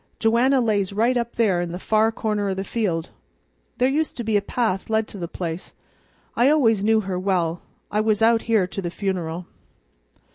Joanna lays right up there in the far corner o' the field. There used to be a path led to the place. I always knew her well. I was out here to the funeral."